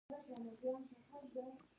هوا د افغانانو د تفریح یوه وسیله ده.